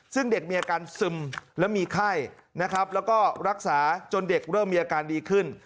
ซึ่งเด็กมีอาการซึมและมีไข้นะครับแล้วก็รักษาจนเด็กเริ่มมีอาการดีขึ้น